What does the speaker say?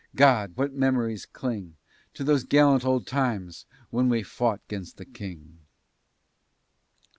God! what memories cling To those gallant old times when we fought 'gainst the King.